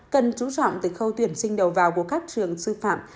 cần chú trọng từ khâu tuyển sinh đầu vào của các trường sư phạm